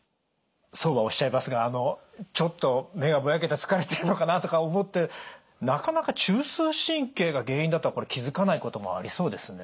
そうはおっしゃいますがちょっと目がぼやけた疲れているのかなとか思ってなかなか中枢神経が原因だとは気付かないこともありそうですね。